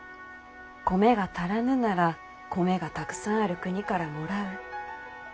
米が足らぬなら米がたくさんある国からもらう。